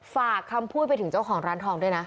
ฝากคำพูดไปถึงเจ้าของร้านทองด้วยนะ